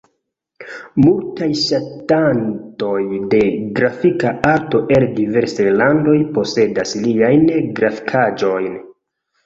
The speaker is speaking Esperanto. Multaj ŝatantoj de grafika arto el diversaj landoj posedas liajn grafikaĵojn.